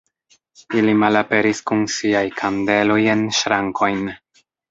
Ili malaperis kun siaj kandeloj en ŝrankojn.